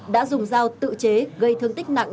đã dùng dao tự chế gây thương tích nặng